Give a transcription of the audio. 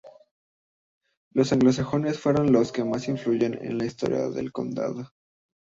Los anglosajones fueron los que más influyeron en la historia del condado.